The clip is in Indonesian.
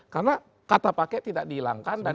karena kata pakai tidak dihilangkan